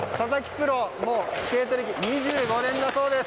プロ、スケート歴が２５年だそうです。